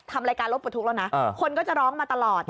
ทำรายการรถปลดทุกข์แล้วนะคนก็จะร้องมาตลอด